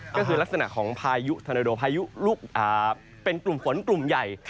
ก็คือลักษณะของพายุธนาโดพายุลูกเป็นกลุ่มฝนกลุ่มใหญ่